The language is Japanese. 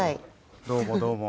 どうもどうも。